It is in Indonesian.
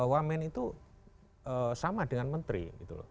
wamen itu sama dengan menteri gitu loh